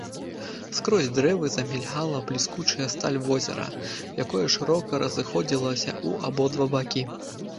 Скрозь дрэвы замільгала бліскучая сталь возера, якое шырока разыходзілася ў абодва бакі.